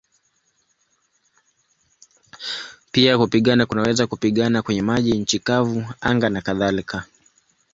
Pia kupigana kunaweza kupigana kwenye maji, nchi kavu, anga nakadhalika.